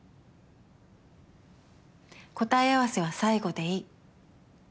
答え合わせは最後でいい。